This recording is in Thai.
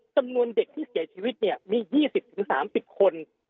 จำนวนเด็กที่เสียชีวิตเนี่ยมี๒๐๓๐คน